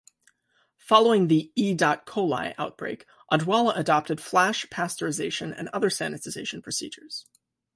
Following the "E dot coli" outbreak, Odwalla adopted flash pasteurization and other sanitization procedures.